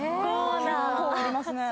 結構ありますね。